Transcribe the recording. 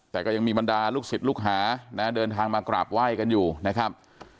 แต่ก็ยังมีบรรดาลูกศิษย์ลูกหานะเดินทางมากราบไหว้กันอยู่นะครับ